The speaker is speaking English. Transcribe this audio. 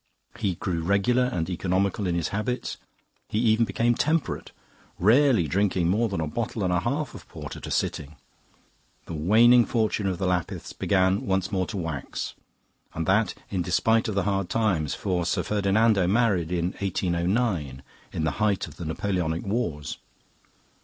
He grew regular and economical in his habits; he even became temperate, rarely drinking more than a bottle and a half of port at a sitting. The waning fortune of the Lapiths began once more to wax, and that in despite of the hard times (for Sir Ferdinando married in 1809 in the height of the Napoleonic Wars).